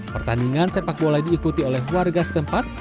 pertandingan sepak bola diikuti oleh warga setempat